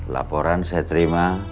laporan saya terima